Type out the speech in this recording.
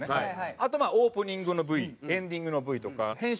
あとまあオープニングのＶエンディングのＶとか編集